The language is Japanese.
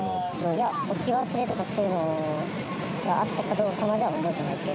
いや、置き忘れとかそういうのがあったかどうかまでは覚えてないですけ